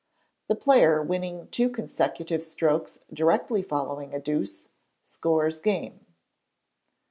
The player winning two consecutive strokes directly following a deuce scores game.